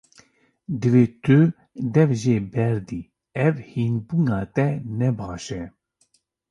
Divê tu dev jê berdî, ev hînbûna te ne baş e.